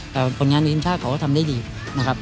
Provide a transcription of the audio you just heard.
แต่คนงานที่ทีมชาติเขาก็ทำดีนะครับ